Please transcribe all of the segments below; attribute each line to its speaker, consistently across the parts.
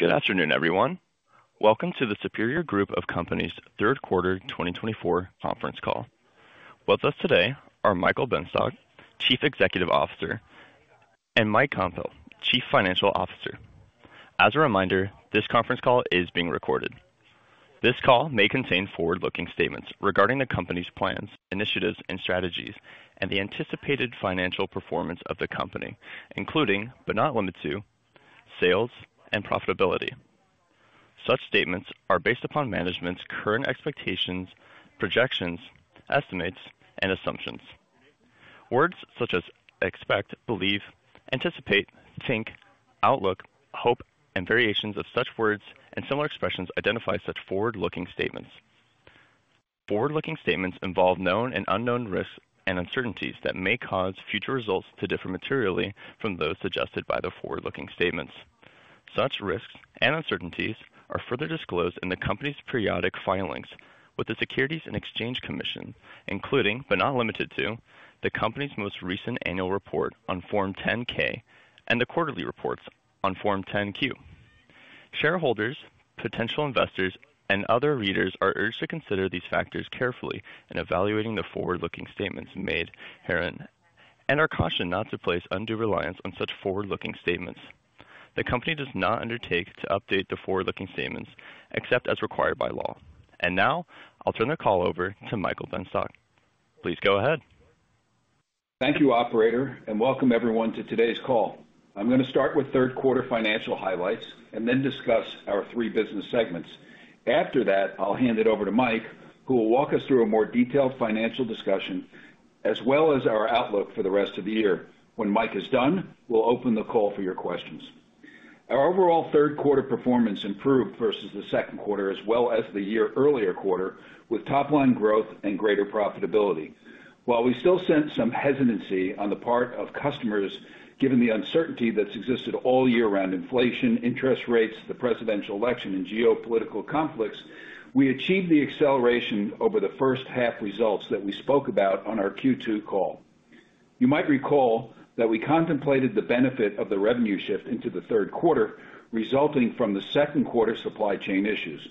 Speaker 1: Good afternoon, everyone. Welcome to the Superior Group of Companies' third quarter 2024 conference call. With us today are Michael Benstock, Chief Executive Officer, and Mike Koempel, Chief Financial Officer. As a reminder, this conference call is being recorded. This call may contain forward-looking statements regarding the company's plans, initiatives, and strategies, and the anticipated financial performance of the company, including, but not limited to, sales and profitability. Such statements are based upon management's current expectations, projections, estimates, and assumptions. Words such as expect, believe, anticipate, think, outlook, hope, and variations of such words and similar expressions identify such forward-looking statements. Forward-looking statements involve known and unknown risks and uncertainties that may cause future results to differ materially from those suggested by the forward-looking statements. Such risks and uncertainties are further disclosed in the company's periodic filings with the Securities and Exchange Commission, including, but not limited to, the company's most recent annual report on Form 10-K and the quarterly reports on Form 10-Q. Shareholders, potential investors, and other readers are urged to consider these factors carefully in evaluating the forward-looking statements made here and are cautioned not to place undue reliance on such forward-looking statements. The company does not undertake to update the forward-looking statements except as required by law. And now, I'll turn the call over to Michael Benstock. Please go ahead.
Speaker 2: Thank you, Operator, and welcome everyone to today's call. I'm going to start with third quarter financial highlights and then discuss our three business segments. After that, I'll hand it over to Mike, who will walk us through a more detailed financial discussion as well as our outlook for the rest of the year. When Mike is done, we'll open the call for your questions. Our overall third quarter performance improved versus the second quarter, as well as the year earlier quarter, with top-line growth and greater profitability. While we still sense some hesitancy on the part of customers, given the uncertainty that's existed all year-round (inflation, interest rates, the presidential election, and geopolitical conflicts), we achieved the acceleration over the first half results that we spoke about on our Q2 call. You might recall that we contemplated the benefit of the revenue shift into the third quarter resulting from the second quarter supply chain issues.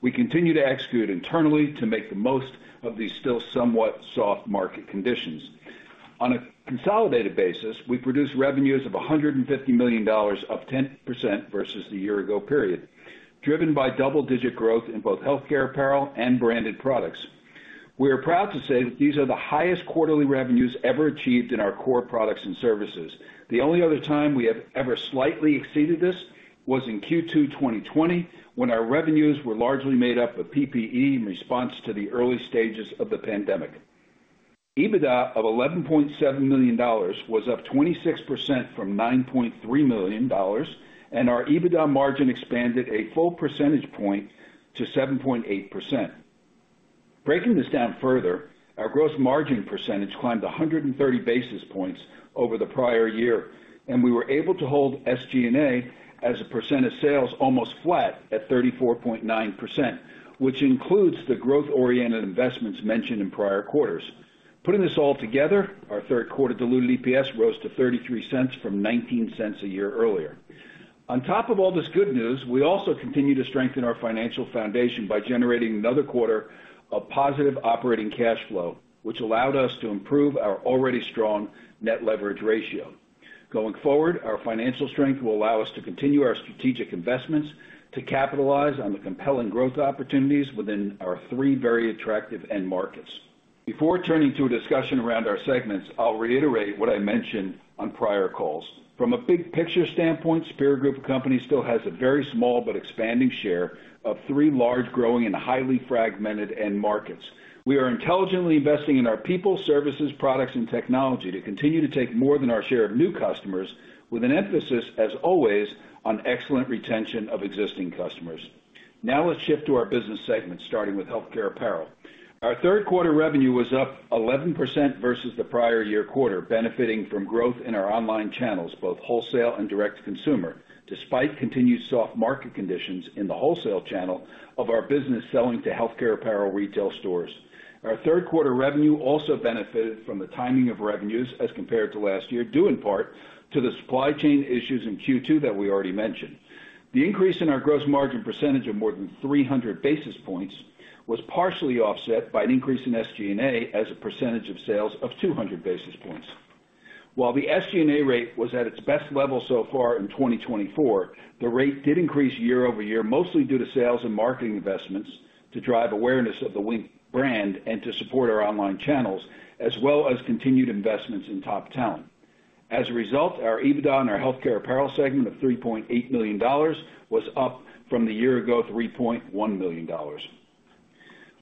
Speaker 2: We continue to execute internally to make the most of these still somewhat soft market conditions. On a consolidated basis, we produced revenues of $150 million, up 10% versus the year-ago period, driven by double-digit growth in both healthcare apparel and branded products. We are proud to say that these are the highest quarterly revenues ever achieved in our core products and services. The only other time we have ever slightly exceeded this was in Q2 2020, when our revenues were largely made up of PPE in response to the early stages of the pandemic. EBITDA of $11.7 million was up 26% from $9.3 million, and our EBITDA margin expanded a full percentage point to 7.8%. Breaking this down further, our gross margin percentage climbed 130 basis points over the prior year, and we were able to hold SG&A as a percent of sales almost flat at 34.9%, which includes the growth-oriented investments mentioned in prior quarters. Putting this all together, our third quarter diluted EPS rose to $0.33 from $0.19 a year earlier. On top of all this good news, we also continue to strengthen our financial foundation by generating another quarter of positive operating cash flow, which allowed us to improve our already strong net leverage ratio. Going forward, our financial strength will allow us to continue our strategic investments to capitalize on the compelling growth opportunities within our three very attractive end markets. Before turning to a discussion around our segments, I'll reiterate what I mentioned on prior calls. From a big-picture standpoint, Superior Group of Companies still has a very small but expanding share of three large-growing and highly fragmented end markets. We are intelligently investing in our people, services, products, and technology to continue to take more than our share of new customers, with an emphasis, as always, on excellent retention of existing customers. Now let's shift to our business segments, starting with healthcare apparel. Our third quarter revenue was up 11% versus the prior year quarter, benefiting from growth in our online channels, both wholesale and direct-to-consumer, despite continued soft market conditions in the wholesale channel of our business selling to healthcare apparel retail stores. Our third quarter revenue also benefited from the timing of revenues as compared to last year, due in part to the supply chain issues in Q2 that we already mentioned. The increase in our gross margin percentage of more than 300 basis points was partially offset by an increase in SG&A as a percentage of sales of 200 basis points. While the SG&A rate was at its best level so far in 2024, the rate did increase year-over-year, mostly due to sales and marketing investments to drive awareness of the Wink brand and to support our online channels, as well as continued investments in top talent. As a result, our EBITDA on our healthcare apparel segment of $3.8 million was up from the year-ago $3.1 million.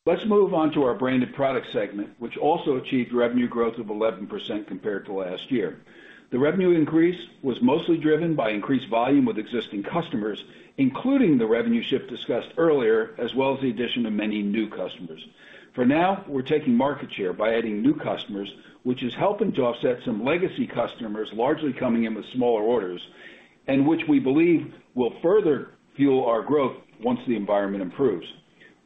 Speaker 2: Let's move on to our branded product segment, which also achieved revenue growth of 11% compared to last year. The revenue increase was mostly driven by increased volume with existing customers, including the revenue shift discussed earlier, as well as the addition of many new customers. For now, we're taking market share by adding new customers, which is helping to offset some legacy customers largely coming in with smaller orders, and which we believe will further fuel our growth once the environment improves.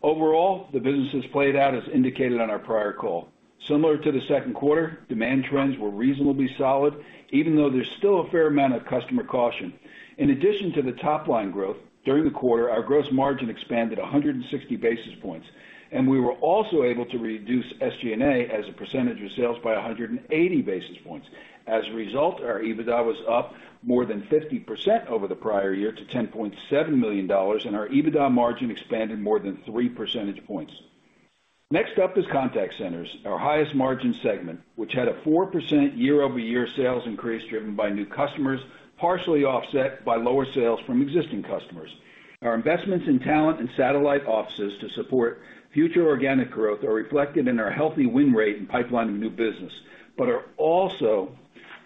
Speaker 2: Overall, the business has played out as indicated on our prior call. Similar to the second quarter, demand trends were reasonably solid, even though there's still a fair amount of customer caution. In addition to the top-line growth during the quarter, our gross margin expanded 160 basis points, and we were also able to reduce SG&A as a percentage of sales by 180 basis points. As a result, our EBITDA was up more than 50% over the prior year to $10.7 million, and our EBITDA margin expanded more than 3 percentage points. Next up is contact centers, our highest-margin segment, which had a 4% year-over-year sales increase driven by new customers, partially offset by lower sales from existing customers. Our investments in talent and satellite offices to support future organic growth are reflected in our healthy win rate and pipeline of new business, but are also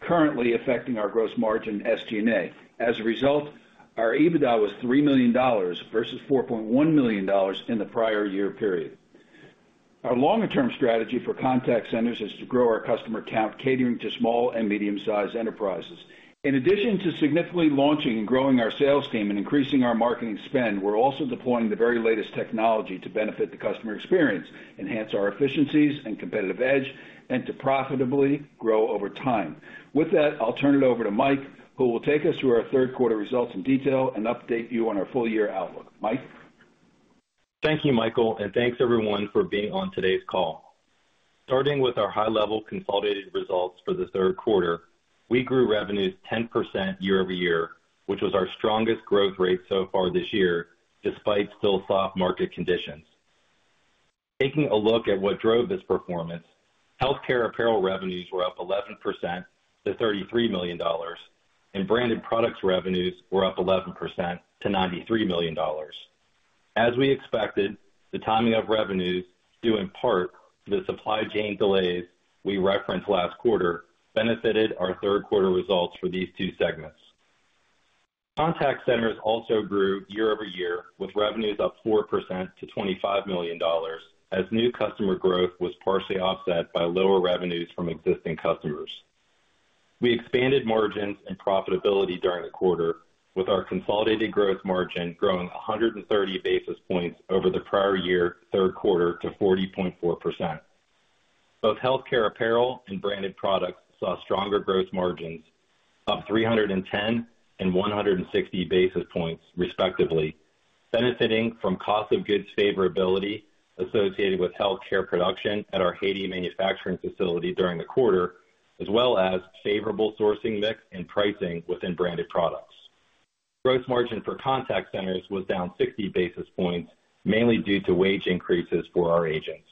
Speaker 2: currently affecting our gross margin SG&A. As a result, our EBITDA was $3 million versus $4.1 million in the prior year period. Our longer-term strategy for contact centers is to grow our customer count, catering to small and medium-sized enterprises. In addition to significantly launching and growing our sales team and increasing our marketing spend, we're also deploying the very latest technology to benefit the customer experience, enhance our efficiencies and competitive edge, and to profitably grow over time. With that, I'll turn it over to Mike, who will take us through our third quarter results in detail and update you on our full-year outlook. Mike.
Speaker 3: Thank you, Michael, and thanks, everyone, for being on today's call. Starting with our high-level consolidated results for the third quarter, we grew revenues 10% year-over-year, which was our strongest growth rate so far this year, despite still soft market conditions. Taking a look at what drove this performance, healthcare apparel revenues were up 11% to $33 million, and branded products revenues were up 11% to $93 million. As we expected, the timing of revenues, due in part to the supply chain delays we referenced last quarter, benefited our third-quarter results for these two segments. Contact centers also grew year-over-year, with revenues up 4% to $25 million, as new customer growth was partially offset by lower revenues from existing customers. We expanded margins and profitability during the quarter, with our consolidated gross margin growing 130 basis points over the prior year third quarter to 40.4%. Both healthcare apparel and branded products saw stronger growth margins, up 310 and 160 basis points, respectively, benefiting from cost-of-goods favorability associated with healthcare production at our Haiti manufacturing facility during the quarter, as well as favorable sourcing mix and pricing within branded products. Gross margin for contact centers was down 60 basis points, mainly due to wage increases for our agents.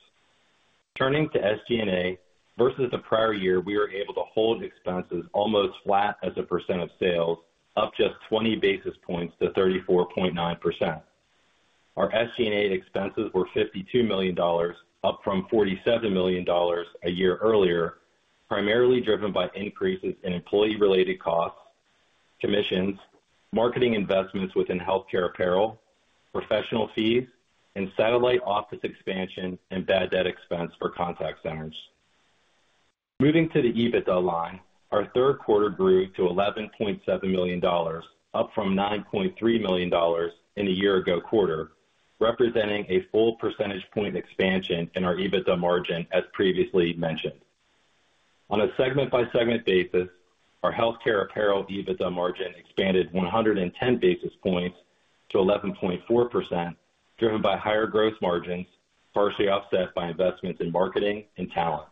Speaker 3: Turning to SG&A, versus the prior year, we were able to hold expenses almost flat as a percent of sales, up just 20 basis points to 34.9%. Our SG&A expenses were $52 million, up from $47 million a year earlier, primarily driven by increases in employee-related costs, commissions, marketing investments within healthcare apparel, professional fees, and satellite office expansion and bad debt expense for contact centers. Moving to the EBITDA line, our third quarter grew to $11.7 million, up from $9.3 million in the year-ago quarter, representing a full percentage point expansion in our EBITDA margin, as previously mentioned. On a segment-by-segment basis, our healthcare apparel EBITDA margin expanded 110 basis points to 11.4%, driven by higher gross margins, partially offset by investments in marketing and talent.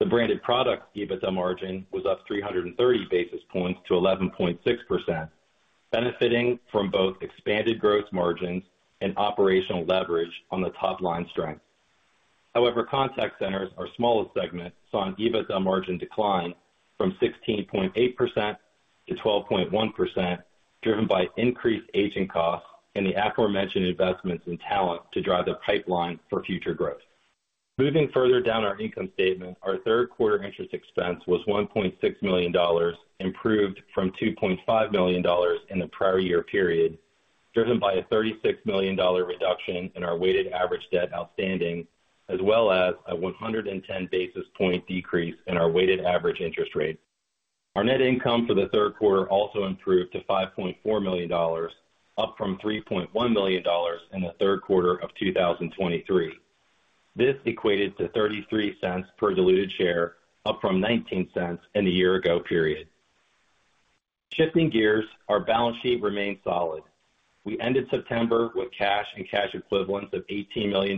Speaker 3: The branded product EBITDA margin was up 330 basis points to 11.6%, benefiting from both expanded gross margins and operational leverage on the top-line strength. However, contact centers, our smallest segment, saw an EBITDA margin decline from 16.8% to 12.1%, driven by increased agent costs and the aforementioned investments in talent to drive the pipeline for future growth. Moving further down our income statement, our third-quarter interest expense was $1.6 million, improved from $2.5 million in the prior year period, driven by a $36 million reduction in our weighted average debt outstanding, as well as a 110 basis point decrease in our weighted average interest rate. Our net income for the third quarter also improved to $5.4 million, up from $3.1 million in the third quarter of 2023. This equated to $0.33 per diluted share, up from $0.19 in the year-ago period. Shifting gears, our balance sheet remained solid. We ended September with cash and cash equivalents of $18 million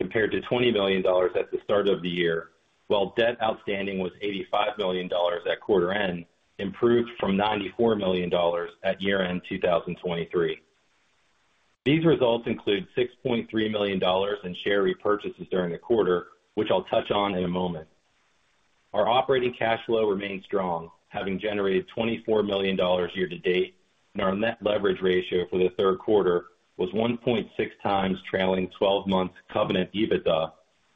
Speaker 3: compared to $20 million at the start of the year, while debt outstanding was $85 million at quarter end, improved from $94 million at year-end 2023. These results include $6.3 million in share repurchases during the quarter, which I'll touch on in a moment. Our operating cash flow remained strong, having generated $24 million year-to-date, and our net leverage ratio for the third quarter was 1.6 times trailing 12-month covenant EBITDA,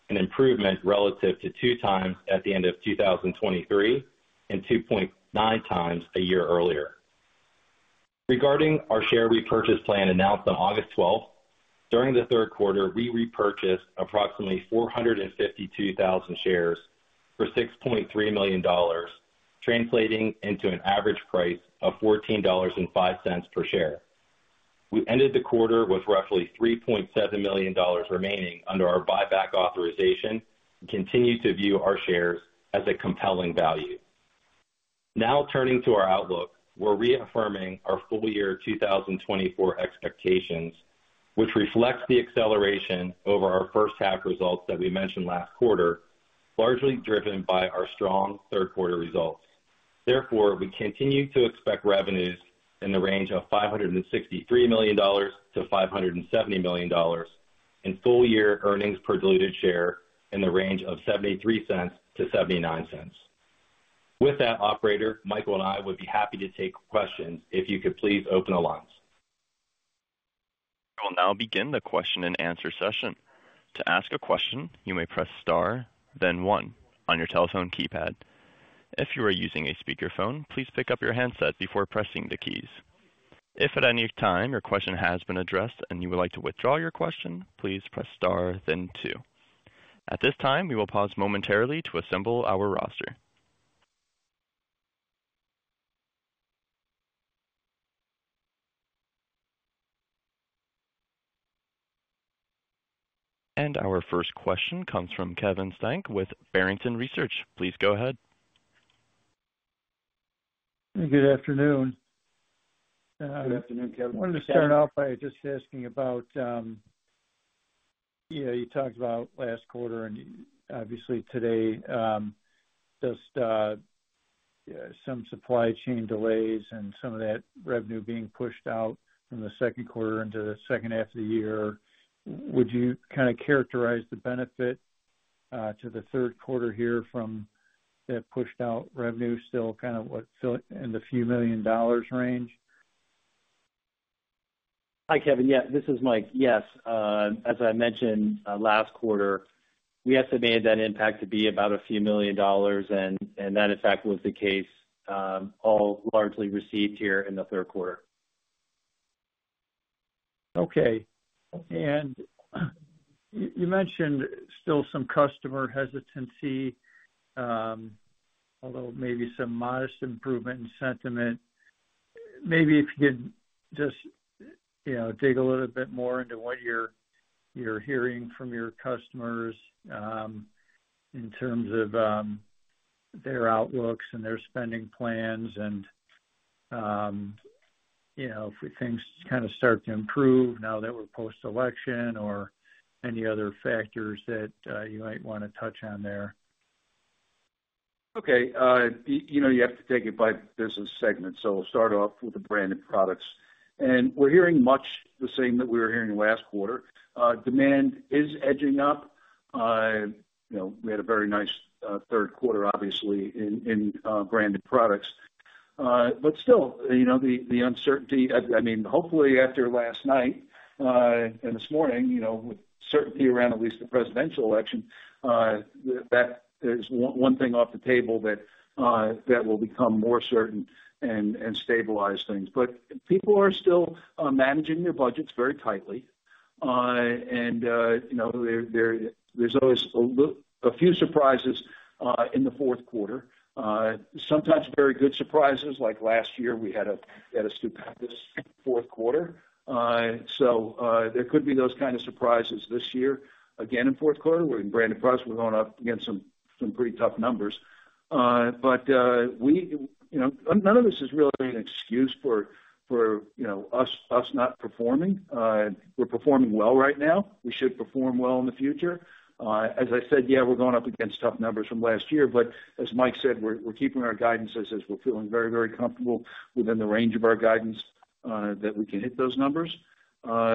Speaker 3: an improvement relative to two times at the end of 2023 and 2.9 times a year earlier. Regarding our share repurchase plan announced on August 12, during the third quarter, we repurchased approximately 452,000 shares for $6.3 million, translating into an average price of $14.05 per share. We ended the quarter with roughly $3.7 million remaining under our buyback authorization and continue to view our shares as a compelling value. Now turning to our outlook, we're reaffirming our full-year 2024 expectations, which reflects the acceleration over our first half results that we mentioned last quarter, largely driven by our strong third-quarter results. Therefore, we continue to expect revenues in the range of $563 million-$570 million and full-year earnings per diluted share in the range of $0.73-$0.79. With that, Operator, Michael and I would be happy to take questions if you could please open the lines.
Speaker 1: We will now begin the question-and-answer session. To ask a question, you may press star, then one, on your telephone keypad. If you are using a speakerphone, please pick up your handset before pressing the keys. If at any time your question has been addressed and you would like to withdraw your question, please press star, then two. At this time, we will pause momentarily to assemble our roster, and our first question comes from Kevin Steink with Barrington Research. Please go ahead.
Speaker 4: Good afternoon.
Speaker 2: Good afternoon, Kevin.
Speaker 4: Wanted to start off by just asking about, yeah, you talked about last quarter, and obviously today, just some supply chain delays and some of that revenue being pushed out from the second quarter into the second half of the year. Would you kind of characterize the benefit to the third quarter here from that pushed-out revenue still kind of in the few million dollars range?
Speaker 3: Hi, Kevin. Yeah, this is Mike. Yes. As I mentioned last quarter, we estimated that impact to be about a few million dollars, and that, in fact, was the case, all largely received here in the third quarter.
Speaker 4: Okay. And you mentioned still some customer hesitancy, although maybe some modest improvement in sentiment. Maybe if you could just dig a little bit more into what you're hearing from your customers in terms of their outlooks and their spending plans and if things kind of start to improve now that we're post-election or any other factors that you might want to touch on there.
Speaker 2: Okay. You have to take it by business segment, so we'll start off with the branded products, and we're hearing much the same that we were hearing last quarter. Demand is edging up. We had a very nice third quarter, obviously, in branded products, but still, the uncertainty, I mean, hopefully after last night and this morning, with certainty around at least the presidential election, that is one thing off the table that will become more certain and stabilize things. People are still managing their budgets very tightly, and there's always a few surprises in the fourth quarter. Sometimes very good surprises, like last year, we had a stupendous fourth quarter, so there could be those kinds of surprises this year. Again, in fourth quarter, we're in branded products. We're going up against some pretty tough numbers, but none of this is really an excuse for us not performing. We're performing well right now. We should perform well in the future. As I said, yeah, we're going up against tough numbers from last year, but as Mike said, we're keeping our guidance as we're feeling very, very comfortable within the range of our guidance that we can hit those numbers, but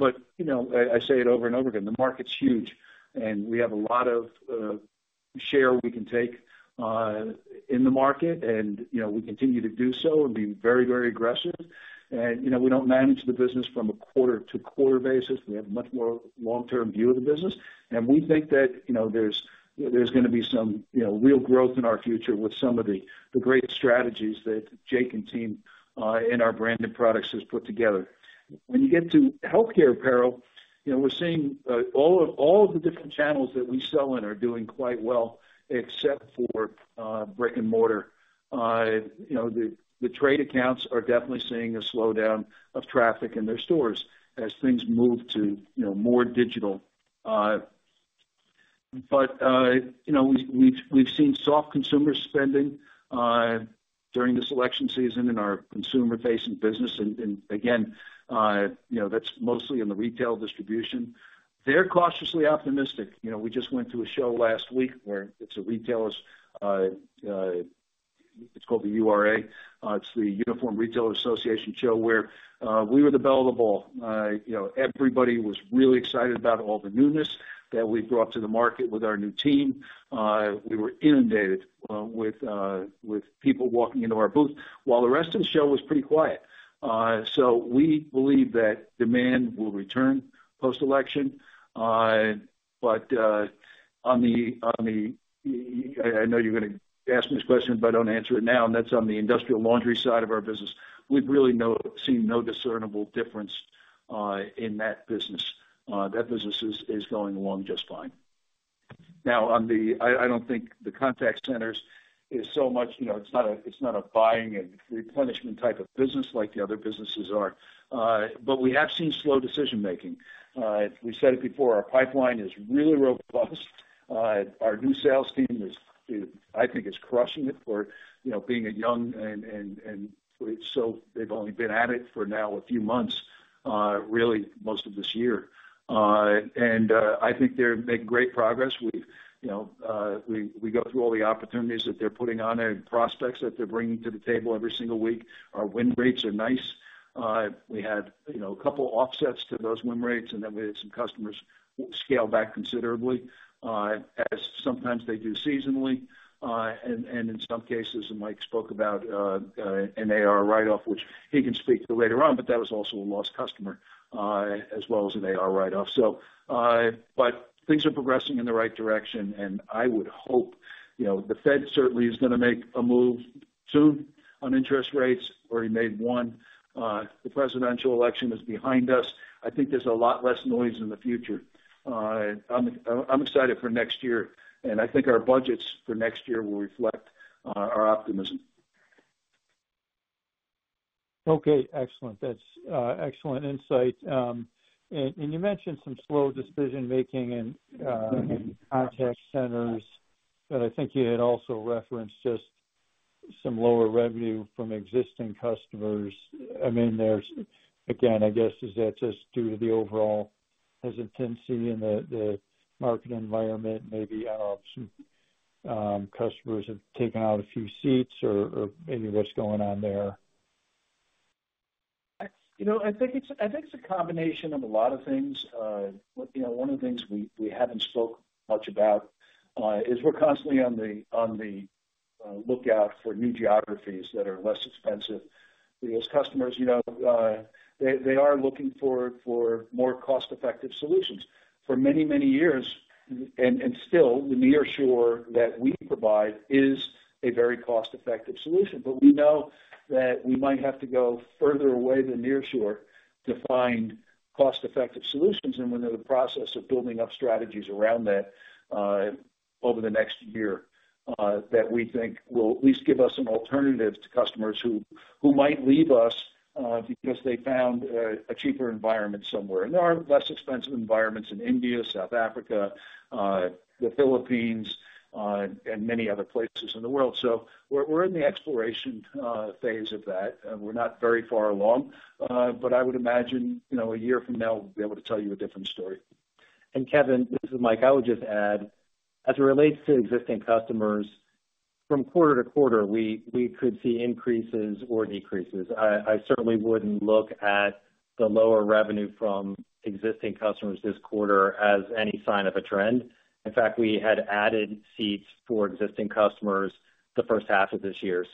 Speaker 2: I say it over and over again, the market's huge, and we have a lot of share we can take in the market, and we continue to do so and be very, very aggressive, and we don't manage the business from a quarter-to-quarter basis. We have a much more long-term view of the business, and we think that there's going to be some real growth in our future with some of the great strategies that Jake and team in our branded products have put together. When you get to healthcare apparel, we're seeing all of the different channels that we sell in are doing quite well except for brick and mortar. The trade accounts are definitely seeing a slowdown of traffic in their stores as things move to more digital. But we've seen soft consumer spending during this election season in our consumer-facing business, and again, that's mostly in the retail distribution. They're cautiously optimistic. We just went to a show last week where it's a retailer's. It's called the URA. It's the Uniform Retailers Association show where we were the bell of the ball. Everybody was really excited about all the newness that we brought to the market with our new team. We were inundated with people walking into our booth, while the rest of the show was pretty quiet. So we believe that demand will return post-election. But I know you're going to ask me this question, but I don't answer it now. And that's on the industrial laundry side of our business. We've really seen no discernible difference in that business. That business is going along just fine. Now, I don't think the contact centers is so much. It's not a buying and replenishment type of business like the other businesses are. But we have seen slow decision-making. We said it before. Our pipeline is really robust. Our new sales team, I think, is crushing it for being young, and so they've only been at it for now a few months, really, most of this year. And I think they're making great progress. We go through all the opportunities that they're putting on and prospects that they're bringing to the table every single week. Our win rates are nice. We had a couple of offsets to those win rates, and then we had some customers scale back considerably, as sometimes they do seasonally. In some cases, Mike spoke about an AR write-off, which he can speak to later on, but that was also a lost customer, as well as an AR write-off. Things are progressing in the right direction, and I would hope the Fed certainly is going to make a move soon on interest rates, or he made one. The presidential election is behind us. I think there's a lot less noise in the future. I'm excited for next year, and I think our budgets for next year will reflect our optimism.
Speaker 4: Okay. Excellent. That's excellent insight. And you mentioned some slow decision-making in contact centers, but I think you had also referenced just some lower revenue from existing customers. I mean, again, I guess, is that just due to the overall hesitancy in the market environment? Maybe some customers have taken out a few seats, or maybe what's going on there?
Speaker 2: I think it's a combination of a lot of things. One of the things we haven't spoke much about is we're constantly on the lookout for new geographies that are less expensive. Those customers, they are looking for more cost-effective solutions for many, many years, and still, the nearshore that we provide is a very cost-effective solution, but we know that we might have to go further away than nearshore to find cost-effective solutions, and we're in the process of building up strategies around that over the next year that we think will at least give us an alternative to customers who might leave us because they found a cheaper environment somewhere, and there are less expensive environments in India, South Africa, the Philippines, and many other places in the world, so we're in the exploration phase of that. We're not very far along, but I would imagine a year from now, we'll be able to tell you a different story.
Speaker 3: Kevin, this is Mike. I would just add, as it relates to existing customers, from quarter to quarter, we could see increases or decreases. I certainly wouldn't look at the lower revenue from existing customers this quarter as any sign of a trend. In fact, we had added seats for existing customers the first half of this year.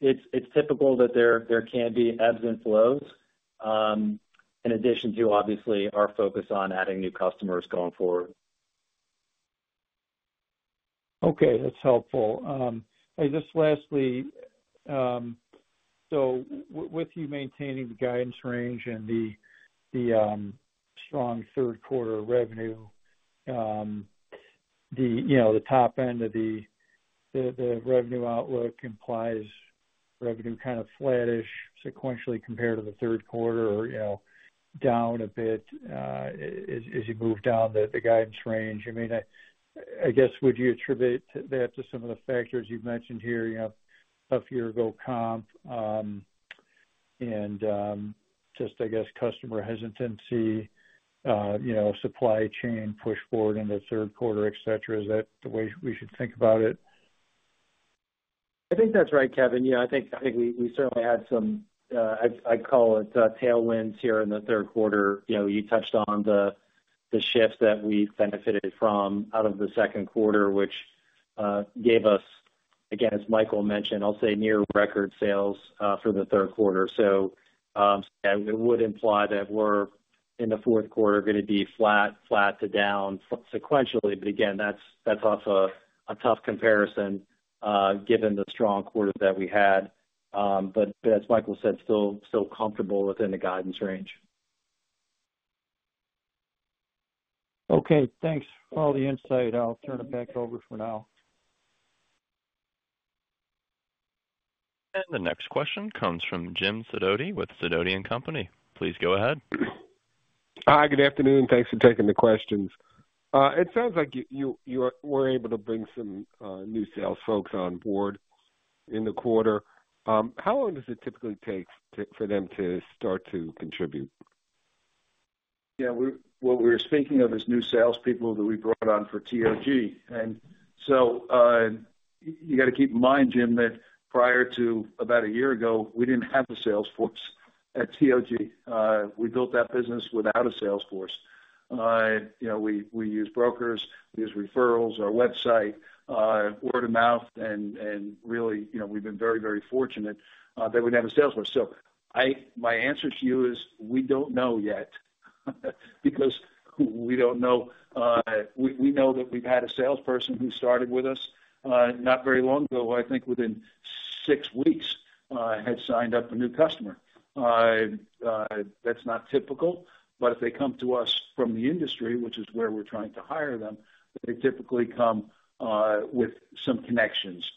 Speaker 3: It's typical that there can be ebbs and flows in addition to, obviously, our focus on adding new customers going forward.
Speaker 4: Okay. That's helpful. Just lastly, so with you maintaining the guidance range and the strong third-quarter revenue, the top end of the revenue outlook implies revenue kind of flattish sequentially compared to the third quarter or down a bit as you move down the guidance range. I mean, I guess, would you attribute that to some of the factors you've mentioned here? You have a few years ago comp and just, I guess, customer hesitancy, supply chain push forward in the third quarter, etc. Is that the way we should think about it?
Speaker 3: I think that's right, Kevin. Yeah, I think we certainly had some, I'd call it, tailwinds here in the third quarter. You touched on the shift that we benefited from out of the second quarter, which gave us, again, as Michael mentioned, I'll say near record sales for the third quarter. So it would imply that we're, in the fourth quarter, going to be flat to down sequentially. But again, that's off a tough comparison given the strong quarter that we had. But as Michael said, still comfortable within the guidance range.
Speaker 4: Okay. Thanks for all the insight. I'll turn it back over for now.
Speaker 1: The next question comes from Jim Sidoti with Sidoti & Company. Please go ahead.
Speaker 5: Hi, good afternoon. Thanks for taking the questions. It sounds like you were able to bring some new sales folks on board in the quarter. How long does it typically take for them to start to contribute?
Speaker 2: Yeah. What we were speaking of is new salespeople that we brought on for TOG. And so you got to keep in mind, Jim, that prior to about a year ago, we didn't have a salesforce at TOG. We built that business without a salesforce. We use brokers, we use referrals, our website, word of mouth, and really, we've been very, very fortunate that we'd have a salesforce. So my answer to you is we don't know yet because we don't know. We know that we've had a salesperson who started with us not very long ago, I think within six weeks, had signed up a new customer. That's not typical, but if they come to us from the industry, which is where we're trying to hire them, they typically come with some connections.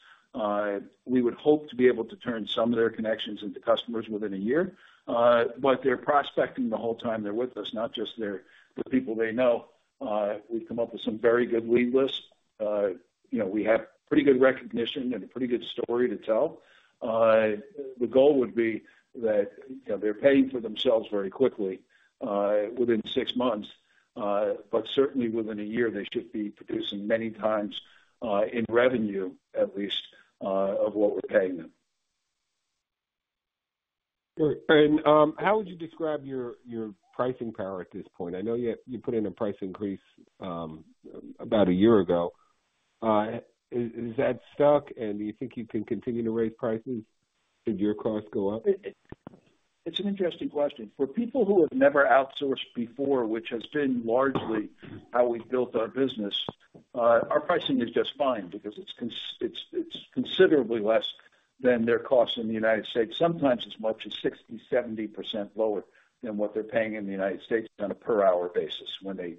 Speaker 2: We would hope to be able to turn some of their connections into customers within a year, but they're prospecting the whole time they're with us, not just the people they know. We've come up with some very good lead lists. We have pretty good recognition and a pretty good story to tell. The goal would be that they're paying for themselves very quickly within six months, but certainly within a year, they should be producing many times in revenue, at least, of what we're paying them.
Speaker 5: How would you describe your pricing power at this point? I know you put in a price increase about a year ago. Is that stuck, and do you think you can continue to raise prices? Did your cost go up?
Speaker 2: It's an interesting question. For people who have never outsourced before, which has been largely how we built our business, our pricing is just fine because it's considerably less than their costs in the United States. Sometimes as much as 60%-70% lower than what they're paying in the United States on a per-hour basis when they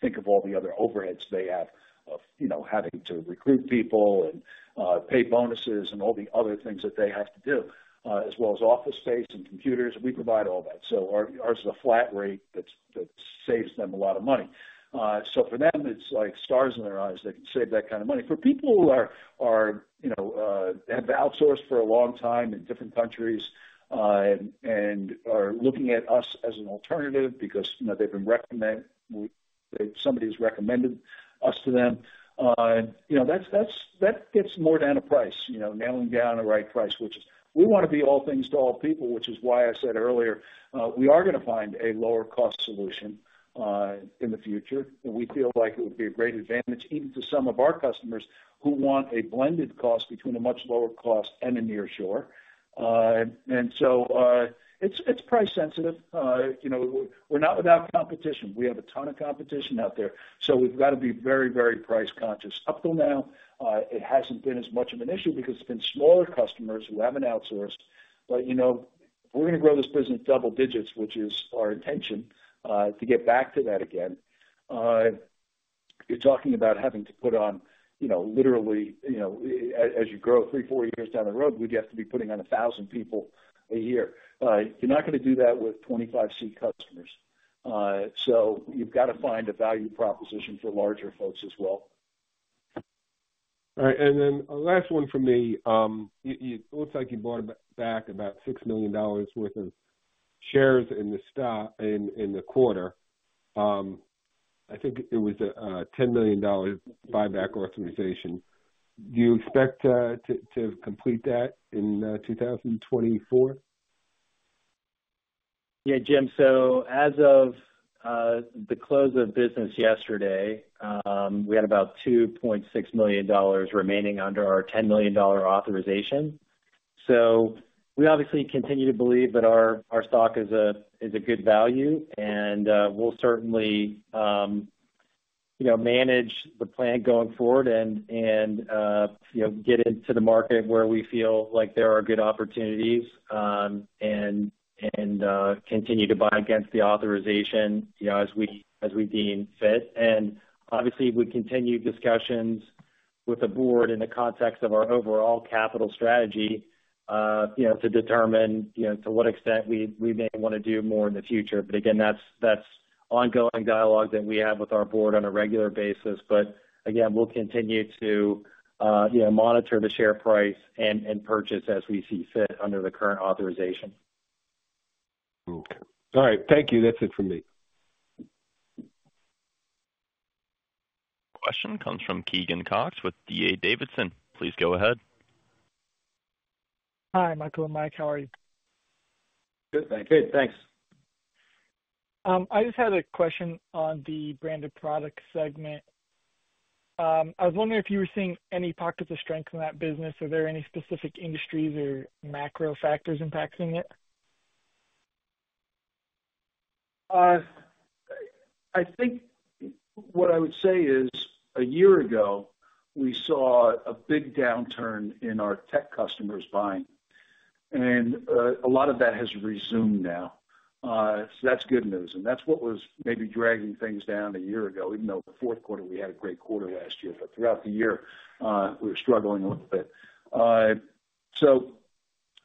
Speaker 2: think of all the other overheads they have of having to recruit people and pay bonuses and all the other things that they have to do, as well as office space and computers. We provide all that, so ours is a flat rate that saves them a lot of money, so for them, it's like stars in their eyes. They can save that kind of money. For people who have outsourced for a long time in different countries and are looking at us as an alternative because they've been recommended. Somebody has recommended us to them. That gets more down to price, nailing down a right price, which is we want to be all things to all people, which is why I said earlier we are going to find a lower-cost solution in the future, and we feel like it would be a great advantage even to some of our customers who want a blended cost between a much lower cost and nearshore, and so it's price-sensitive. We're not without competition. We have a ton of competition out there, so we've got to be very, very price-conscious. Up till now, it hasn't been as much of an issue because it's been smaller customers who haven't outsourced. But we're going to grow this business double digits, which is our intention to get back to that again. You're talking about having to put on literally, as you grow three, four years down the road, we'd have to be putting on 1,000 people a year. You're not going to do that with 25-seat customers. So you've got to find a value proposition for larger folks as well.
Speaker 5: All right. And then a last one for me. It looks like you bought back about $6 million worth of shares in the quarter. I think it was a $10 million buyback authorization. Do you expect to complete that in 2024?
Speaker 3: Yeah, Jim. So as of the close of business yesterday, we had about $2.6 million remaining under our $10 million authorization. So we obviously continue to believe that our stock is a good value, and we'll certainly manage the plan going forward and get into the market where we feel like there are good opportunities and continue to buy against the authorization as we deem fit, and obviously, we continue discussions with the board in the context of our overall capital strategy to determine to what extent we may want to do more in the future, but again, that's ongoing dialogue that we have with our board on a regular basis, but again, we'll continue to monitor the share price and purchase as we see fit under the current authorization.
Speaker 5: All right. Thank you. That's it for me.
Speaker 1: Question comes from Keegan Cox with D.A. Davidson. Please go ahead.
Speaker 6: Hi, Michael and Mike. How are you?
Speaker 2: Good. Thanks.
Speaker 3: Good. Thanks.
Speaker 6: I just had a question on the branded product segment. I was wondering if you were seeing any pockets of strength in that business. Are there any specific industries or macro factors impacting it?
Speaker 2: I think what I would say is a year ago, we saw a big downturn in our tech customers' buying, and a lot of that has resumed now, so that's good news, and that's what was maybe dragging things down a year ago, even though the fourth quarter, we had a great quarter last year, but throughout the year, we were struggling a little bit, so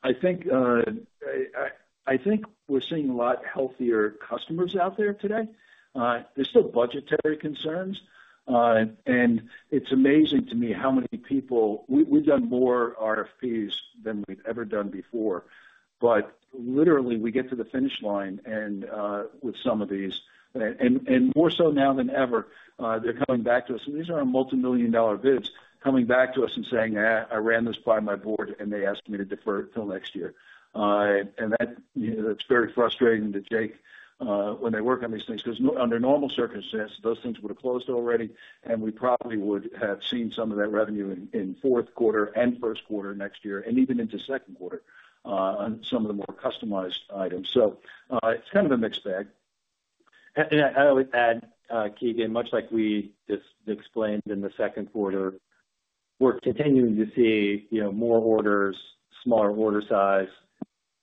Speaker 2: I think we're seeing a lot healthier customers out there today. There's still budgetary concerns, and it's amazing to me how many RFPs we've done more than we've ever done before, but literally, we get to the finish line with some of these, and more so now than ever, they're coming back to us. These are our multimillion-dollar bids coming back to us and saying, "I ran this by my board, and they asked me to defer it till next year." That's very frustrating to Jake when they work on these things because under normal circumstances, those things would have closed already, and we probably would have seen some of that revenue in fourth quarter and first quarter next year, and even into second quarter on some of the more customized items. It's kind of a mixed bag.
Speaker 3: I would add, Keegan, much like we just explained in the second quarter, we're continuing to see more orders, smaller order size,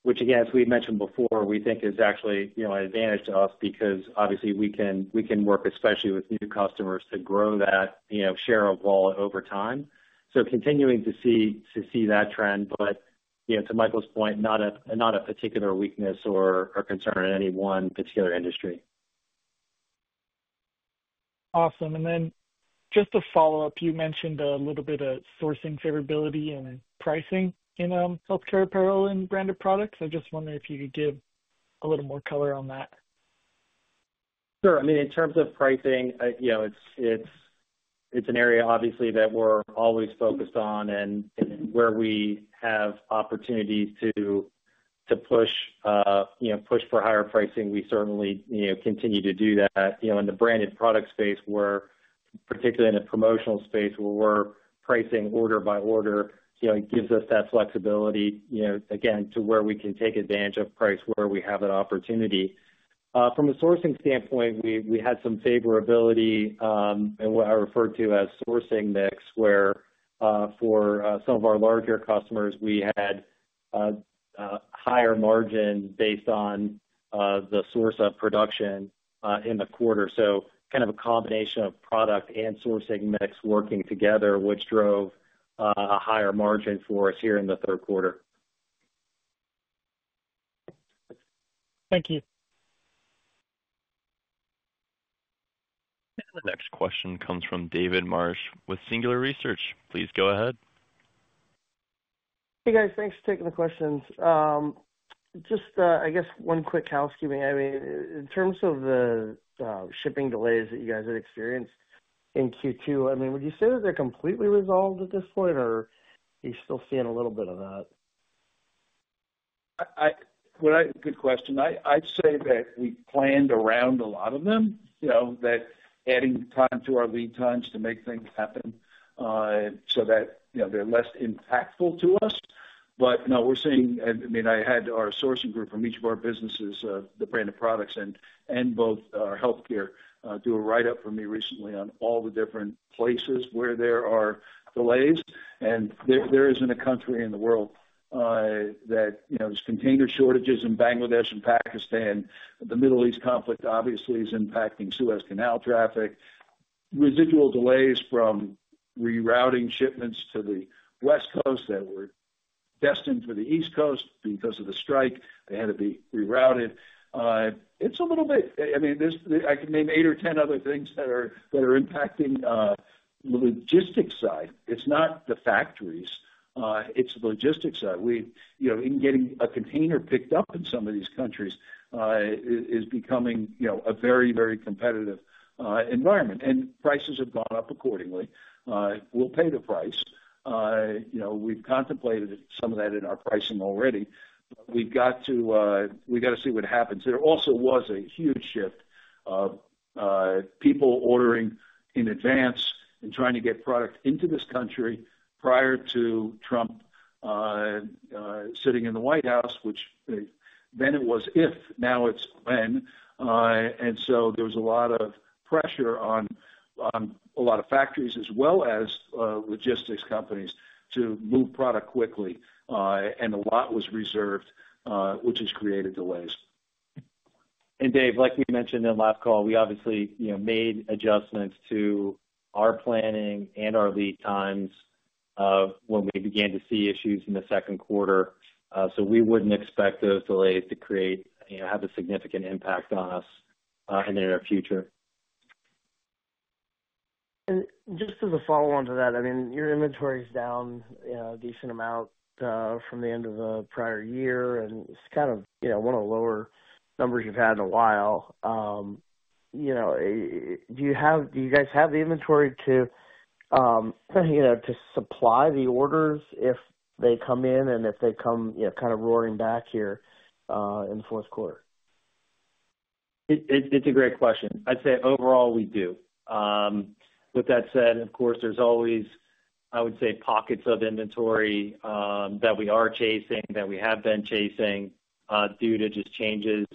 Speaker 3: which, again, as we've mentioned before, we think is actually an advantage to us because obviously, we can work, especially with new customers, to grow that share of wallet over time. So continuing to see that trend. But to Michael's point, not a particular weakness or concern in any one particular industry.
Speaker 6: Awesome. And then just to follow up, you mentioned a little bit of sourcing favorability and pricing in healthcare apparel and branded products. I just wonder if you could give a little more color on that?
Speaker 3: Sure. I mean, in terms of pricing, it's an area, obviously, that we're always focused on, and where we have opportunities to push for higher pricing, we certainly continue to do that. In the branded product space, we're particularly in a promotional space where we're pricing order by order. It gives us that flexibility, again, to where we can take advantage of price where we have that opportunity. From a sourcing standpoint, we had some favorability in what I refer to as sourcing mix, where for some of our larger customers, we had higher margin based on the source of production in the quarter, so kind of a combination of product and sourcing mix working together, which drove a higher margin for us here in the third quarter.
Speaker 6: Thank you.
Speaker 1: The next question comes from David Marsh with Singular Research. Please go ahead.
Speaker 7: Hey, guys. Thanks for taking the questions. Just, I guess, one quick housekeeping. I mean, in terms of the shipping delays that you guys had experienced in Q2, I mean, would you say that they're completely resolved at this point, or are you still seeing a little bit of that?
Speaker 2: Good question. I'd say that we planned around a lot of them, that adding time to our lead times to make things happen so that they're less impactful to us. But no, we're seeing. I mean, I had our sourcing group from each of our businesses, the branded products and both our healthcare, do a write-up for me recently on all the different places where there are delays, and there isn't a country in the world that has container shortages in Bangladesh and Pakistan. The Middle East conflict, obviously, is impacting Suez Canal traffic. Residual delays from rerouting shipments to the West Coast that were destined for the East Coast because of the strike. They had to be rerouted. It's a little bit. I mean, I can name eight or 10 other things that are impacting the logistics side. It's not the factories. It's the logistics side. In getting a container picked up in some of these countries is becoming a very, very competitive environment, and prices have gone up accordingly. We'll pay the price. We've contemplated some of that in our pricing already, but we've got to see what happens. There also was a huge shift of people ordering in advance and trying to get product into this country prior to Trump sitting in the White House, which then it was if, now it's when, and so there was a lot of pressure on a lot of factories, as well as logistics companies, to move product quickly, and a lot was reserved, which has created delays.
Speaker 3: Dave, like we mentioned in last call, we obviously made adjustments to our planning and our lead times when we began to see issues in the second quarter. We wouldn't expect those delays to have a significant impact on us in the near future.
Speaker 7: Just as a follow-on to that, I mean, your inventory is down a decent amount from the end of the prior year, and it's kind of one of the lower numbers you've had in a while. Do you guys have the inventory to supply the orders if they come in and if they come kind of roaring back here in the fourth quarter?
Speaker 3: It's a great question. I'd say overall, we do. With that said, of course, there's always, I would say, pockets of inventory that we are chasing, that we have been chasing due to just changes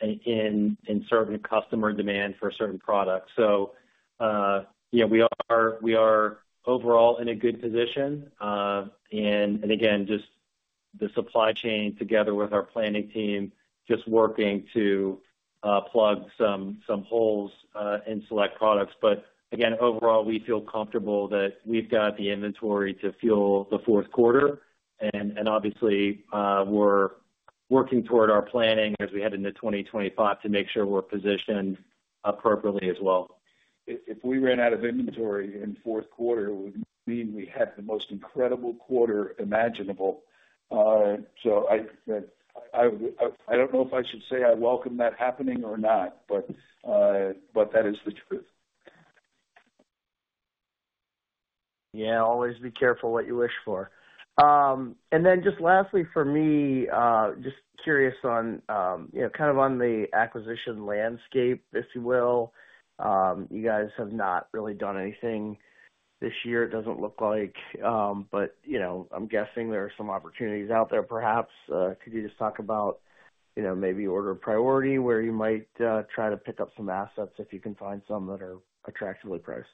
Speaker 3: in certain customer demand for certain products, so we are overall in a good position, and again, just the supply chain together with our planning team just working to plug some holes in select products, but again, overall, we feel comfortable that we've got the inventory to fuel the fourth quarter, and obviously, we're working toward our planning as we head into 2025 to make sure we're positioned appropriately as well.
Speaker 2: If we ran out of inventory in fourth quarter, it would mean we had the most incredible quarter imaginable, so I don't know if I should say I welcome that happening or not, but that is the truth.
Speaker 3: Yeah. Always be careful what you wish for.
Speaker 7: And then just lastly for me, just curious kind of on the acquisition landscape, if you will. You guys have not really done anything this year, it doesn't look like. But I'm guessing there are some opportunities out there, perhaps. Could you just talk about maybe order priority where you might try to pick up some assets if you can find some that are attractively priced?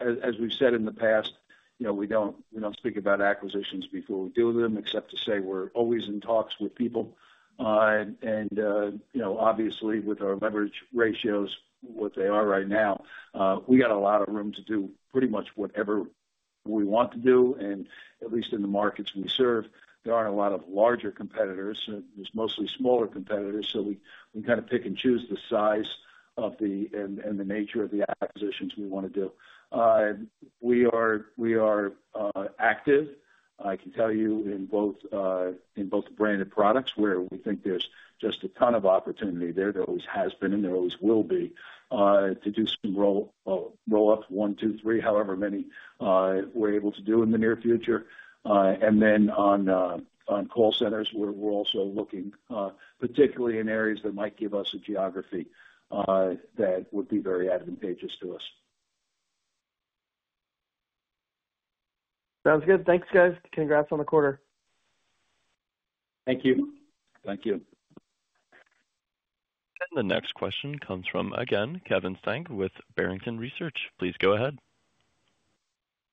Speaker 2: As we've said in the past, we don't speak about acquisitions before we deal with them except to say we're always in talks with people. And obviously, with our leverage ratios, what they are right now, we got a lot of room to do pretty much whatever we want to do. And at least in the markets we serve, there aren't a lot of larger competitors. There's mostly smaller competitors. So we kind of pick and choose the size and the nature of the acquisitions we want to do. We are active, I can tell you, in both branded products where we think there's just a ton of opportunity there. There always has been, and there always will be to do some roll-up, one, two, three, however many we're able to do in the near future. And then on call centers, we're also looking particularly in areas that might give us a geography that would be very advantageous to us.
Speaker 7: Sounds good. Thanks, guys. Congrats on the quarter.
Speaker 2: Thank you.
Speaker 3: Thank you.
Speaker 1: The next question comes from, again, Kevin Steink with Barrington Research. Please go ahead.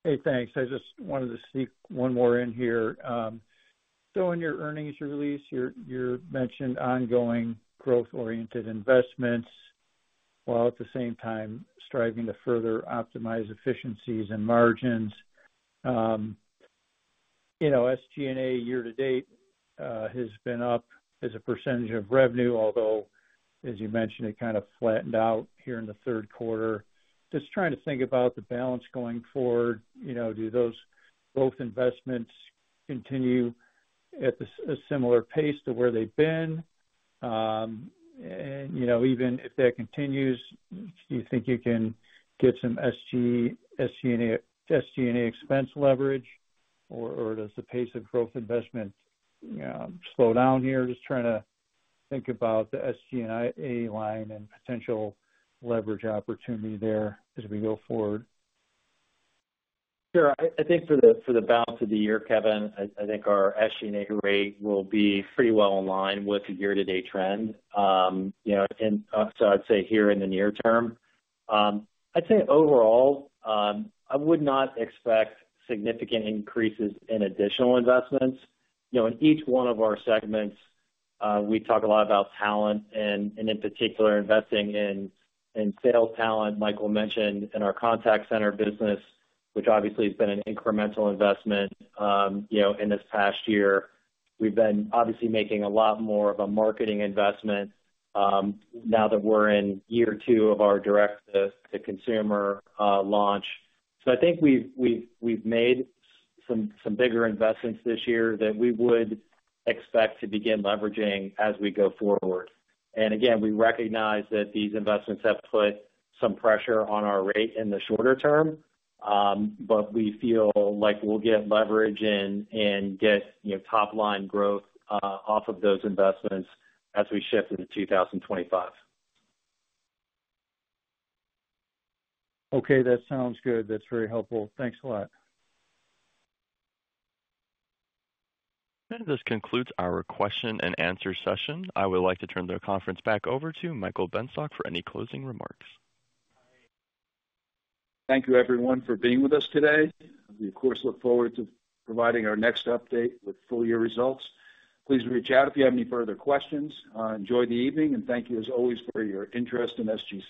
Speaker 4: Hey, thanks. I just wanted to sneak one more in here. So in your earnings release, you mentioned ongoing growth-oriented investments while at the same time striving to further optimize efficiencies and margins. SG&A year to date has been up as a percentage of revenue, although, as you mentioned, it kind of flattened out here in the third quarter. Just trying to think about the balance going forward. Do those growth investments continue at a similar pace to where they've been? And even if that continues, do you think you can get some SG&A expense leverage, or does the pace of growth investment slow down here? Just trying to think about the SG&A line and potential leverage opportunity there as we go forward.
Speaker 3: Sure. I think for the balance of the year, Kevin, I think our SG&A rate will be pretty well in line with the year-to-date trend. And so I'd say here in the near term, I'd say overall, I would not expect significant increases in additional investments. In each one of our segments, we talk a lot about talent and, in particular, investing in sales talent. Michael mentioned in our contact center business, which obviously has been an incremental investment in this past year. We've been obviously making a lot more of a marketing investment now that we're in year two of our direct-to-consumer launch. So I think we've made some bigger investments this year that we would expect to begin leveraging as we go forward. Again, we recognize that these investments have put some pressure on our rate in the shorter term, but we feel like we'll get leverage and get top-line growth off of those investments as we shift into 2025.
Speaker 8: Okay. That sounds good. That's very helpful. Thanks a lot.
Speaker 1: This concludes our question and answer session. I would like to turn the conference back over to Michael Benstock for any closing remarks.
Speaker 2: Thank you, everyone, for being with us today. We, of course, look forward to providing our next update with full-year results. Please reach out if you have any further questions. Enjoy the evening, and thank you, as always, for your interest in SG&A.